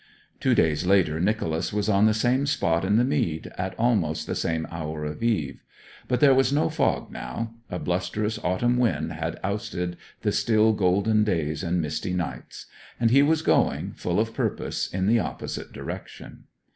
Two days later Nicholas was on the same spot in the mead, at almost the same hour of eve. But there was no fog now; a blusterous autumn wind had ousted the still, golden days and misty nights; and he was going, full of purpose, in the opposite direction.